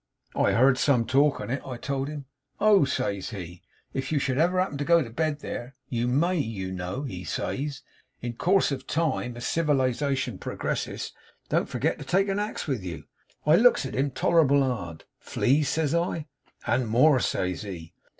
"I heard some talk on it," I told him. "Oh!" says he, "if you should ever happen to go to bed there you MAY, you know," he says, "in course of time as civilisation progresses don't forget to take a axe with you." I looks at him tolerable hard. "Fleas?" says I. "And more," says he.